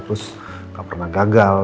terus gak pernah gagal